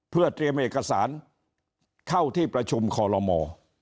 เพื่อเตรียมเอกสารเข้าที่ประชุมคอลโลมอร์